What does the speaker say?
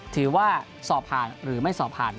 ถือว่าสอบผ่านหรือไม่สอบผ่าน